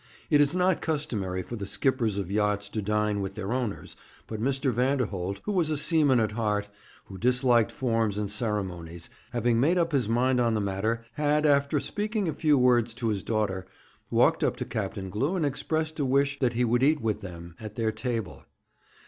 It is not customary for the skippers of yachts to dine with their owners, but Mr. Vanderholt, who was a seaman at heart, who disliked forms and ceremonies, having made up his mind on the matter, had, after speaking a few words to his daughter, walked up to Captain Glew and expressed a wish that he would eat with them at their table.